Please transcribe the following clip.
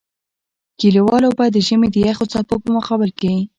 کلیوالو به د ژمي د يخو څپو په مقابل کې.